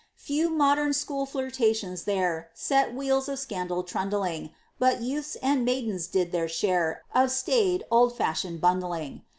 Few modern school flirtations there Set wheels of scandal trundling, But youths and maidens did their share Of staid, old fashioned bundling.